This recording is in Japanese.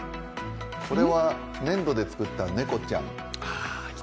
これは粘土で作った猫ちゃん。